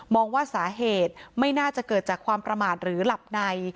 ว่าสาเหตุไม่น่าจะเกิดจากความประมาทหรือหลับใน